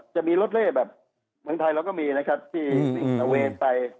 จะมีลดเล่แบบเมืองไทยเราก็มีนะครับที่อเวย์ไป